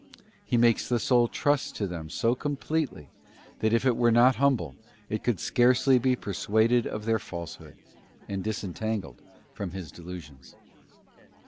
He makes the soul trust to them so completely, that if it were not humble, it could scarcely be persuaded of their falsehood and disentangled from his delusions.